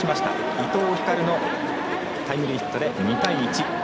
伊藤光のタイムリーヒットで２対１。